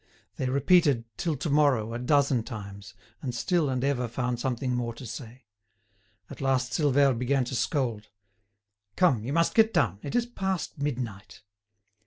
They repeated "till to morrow!" a dozen times, and still and ever found something more to say. At last Silvère began to scold. "Come, you must get down, it is past midnight."